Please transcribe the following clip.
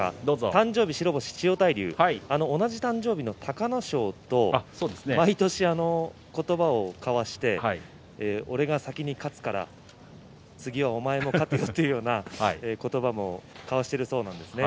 誕生日、白星千代大龍、同じ誕生日の隆の勝と毎年言葉を交わして俺が先に勝つから次はお前も勝てよというような言葉をかわしているそうです。